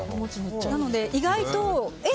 なので意外とえ？